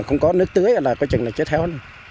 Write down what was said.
không có nước tưới là quá trình là chết heo